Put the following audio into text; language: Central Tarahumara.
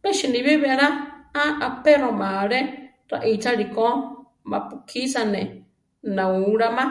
Pe sinibí belá a apéroma alé raʼíchali ko ma-pu kisá ne náulama.